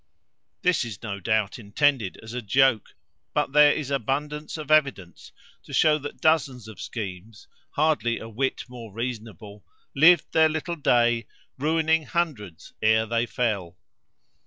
This is no doubt intended as a joke; but there is abundance of evidence to shew that dozens of schemes, hardly a whit more reasonable, lived their little day, ruining hundreds ere they fell.